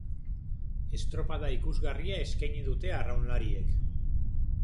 Estropada ikusgarria eskaini dute arraunlariek.